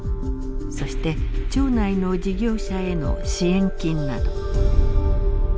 そして町内の事業者への支援金など。